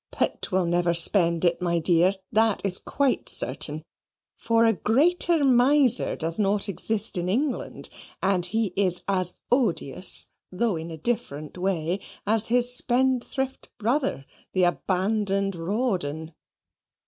"Pitt will never spend it, my dear, that is quite certain; for a greater miser does not exist in England, and he is as odious, though in a different way, as his spendthrift brother, the abandoned Rawdon."